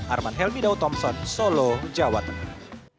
arman helmi daud thompson solo jawa tengah